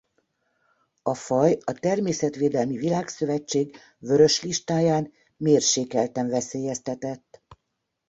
A faj a Természetvédelmi Világszövetség Vörös Listáján mérsékelten veszélyeztetett.